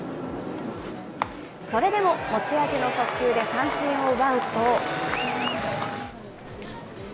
それでも、持ち味の速球で三振を奪うと。